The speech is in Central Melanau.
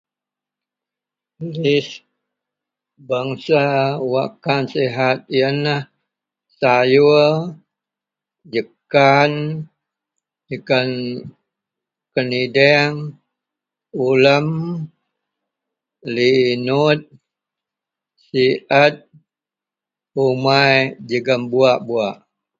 Ish.. bangsa wakkan sihat yenlah sayuor, jekan, jekan kenideang, ulem, linut, siet, umai jegem buwak-buwak